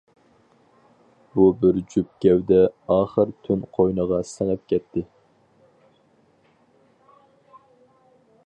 بۇ بىر جۈپ گەۋدە ئاخىر تۈن قوينىغا سىڭىپ كەتتى.